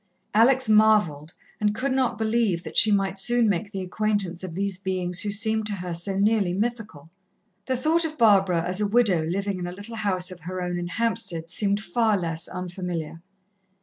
Alex marvelled, and could not believe that she might soon make the acquaintance of these beings who seemed to her so nearly mythical. The thought of Barbara as a widow living in a little house of her own in Hampstead, seemed far less unfamiliar.